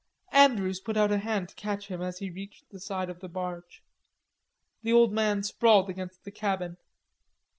Andrews put out a hand to catch him, as he reached the side of the barge. The old man sprawled against the cabin.